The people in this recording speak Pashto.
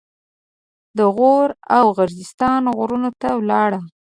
د غور او غرجستان غرونو ته ولاړ.